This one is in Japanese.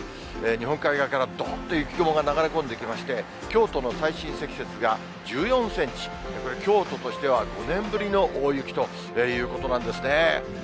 日本海側からどんと雪雲が流れ込んできまして、京都の最深積雪が１４センチ、これ、京都としては５年ぶりの大雪ということなんですね。